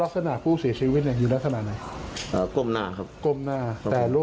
ก็คือ